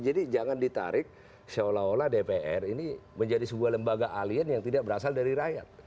jadi jangan ditarik seolah olah dpr ini menjadi sebuah lembaga alien yang tidak berasal dari rakyat